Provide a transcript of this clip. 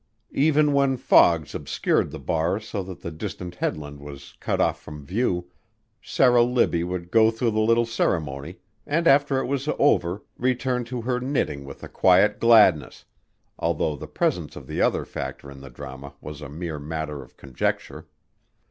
Even when fogs obscured the Bar so that the distant headland was cut off from view, Sarah Libbie would go through the little ceremony and after it was over return to her knitting with a quiet gladness, although the presence of the other factor in the drama was a mere matter of conjecture.